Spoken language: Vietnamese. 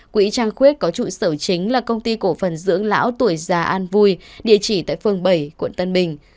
quỹ trang khuyết có trụ sở chính là công ty cổ phần dưỡng lão tuổi già an vui địa chỉ tại phường bảy quận tân bình